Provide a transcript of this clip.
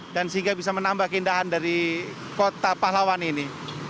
dan sehingga bisa menambah keindahan dari kota pahlawan ini